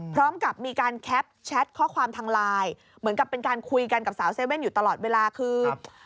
พร้อมกับมีการแคปแชทข้อความทางไลน์เหมือนกับเป็นการคุยกันกับสาวเซเว่นอยู่ตลอดเวลาคือ